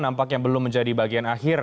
nampaknya belum menjadi bagian akhir